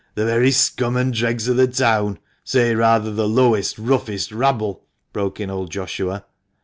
— the very scum and dregs of the town — say rather the lowest, roughest rabble !" broke in old Joshua.